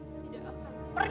tidak akan pernah